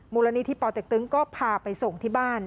มูลณีที่ปตก็พาไปส่งที่บ้าน